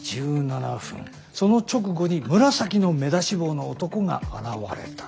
その直後に紫の目出し帽の男が現れた。